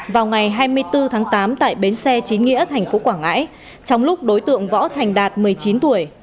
vào ngày hai mươi bốn tháng tám tại bến xe trí nghĩa tp quảng ngãi trong lúc đối tượng võ thành đạt một mươi chín tuổi